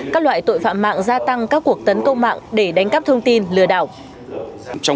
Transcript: các loại tội phạm mạng gia tăng các cuộc tấn công mạng để đánh cắp thông tin lừa đảo